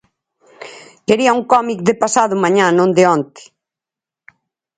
Quería un cómic de pasado mañá, non de onte.